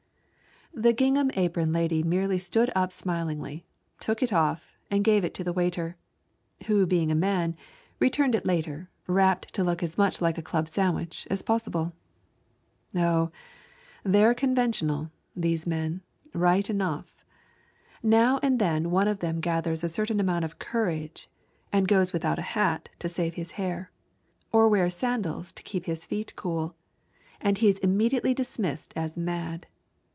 The gingham apron lady merely stood up smilingly, took it off and gave it to the waiter, who being a man returned it later wrapped to look as much like a club sandwich as possible. Oh, they're conventional, these men, right enough! Now and then one of them gathers a certain amount of courage and goes without a hat to save his hair, or wears sandals to keep his feet cool, and he is immediately dismissed as mad.